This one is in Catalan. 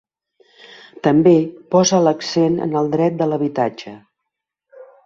També posa l’accent en el dret de l’habitatge.